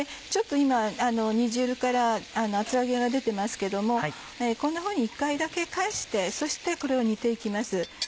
ちょっと今煮汁から厚揚げが出てますけどもこんなふうに１回だけ返してそしてこれを煮て行きます。